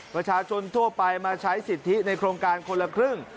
ประชาชนทั่วไปมาใช้สิทธิในโครงการคนละครึ่ง